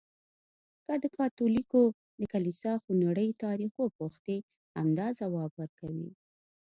که د کاتولیکو د کلیسا خونړی تاریخ وپوښتې، همدا ځواب ورکوي.